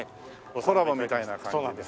コラボみたいな感じで。